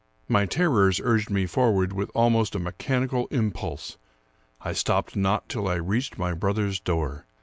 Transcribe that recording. My terrors urged me forward with almost a mechanical impulse. I stopped not till I reached my brother's door.